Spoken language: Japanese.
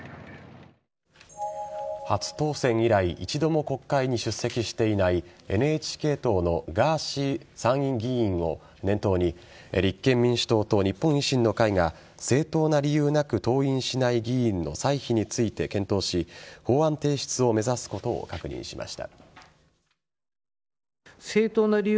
初当選以来一度も国会に出席していないＮＨＫ党のガーシー参院議員を念頭に立憲民主党と日本維新の会が正当な理由なく登院しない議員の歳費について検討し法案提出を目指すことを断言しました。